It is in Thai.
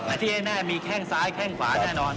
อาทิตย์แน่มีแค่งซ้ายแค่งขวาแน่นอน